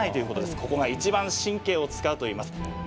ここが、いちばん神経を遣うといいます。